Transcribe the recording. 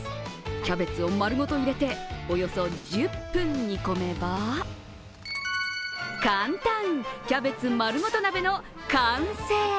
キャベツをまるごと入れておよそ１０分煮込めば、簡単、キャベツまるごと鍋の完成。